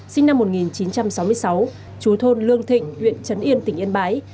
sinh năm một nghìn chín trăm sáu mươi sáu chú thôn lương thịnh huyện trấn yên tỉnh yên bái